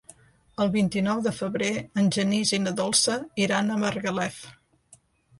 El vint-i-nou de febrer en Genís i na Dolça iran a Margalef.